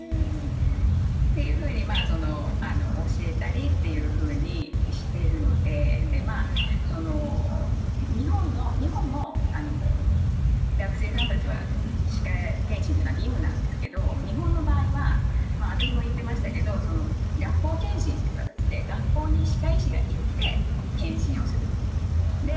っていうふうに教えたりっていうふうにしているので日本も学生さんたちは歯科検診というのは義務なんですけど日本の場合は私も行ってましたけど学校検診という形で、学校に歯科医師が行って検診をすると。